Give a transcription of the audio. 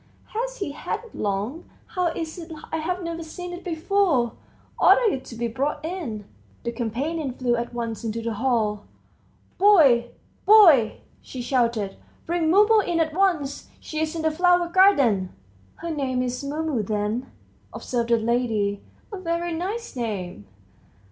Has he had it long? How is it I've never seen it before? ... Order it to be brought in." The companion flew at once into the hall. "Boy, boy!" she shouted; "bring Mumu in at once! She's in the flower garden." "Her name's Mumu then," observed the lady; "a very nice name."